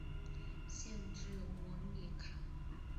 县治窝利卡。